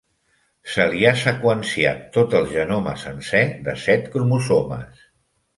Se li ha seqüenciat tot el genoma sencer de set cromosomes.